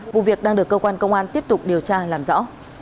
vụ việc đang được cơ quan công an tiếp tục điều tra làm rõ